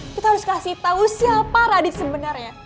kita harus kasih tau siapa radit sebenarnya